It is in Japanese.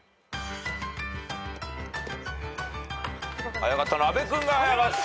早かったのは阿部君が早かった。